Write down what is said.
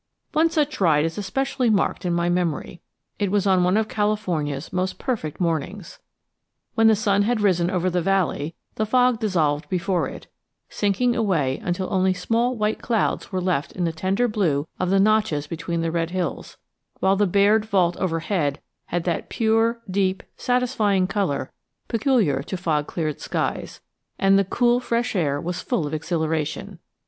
One such ride is especially marked in my memory. It was on one of California's most perfect mornings. When the sun had risen over the valley, the fog dissolved before it, sinking away until only small white clouds were left in the tender blue of the notches between the red hills; while the bared vault overhead had that pure, deep, satisfying color peculiar to fog cleared skies; and the cool fresh air was full of exhilaration.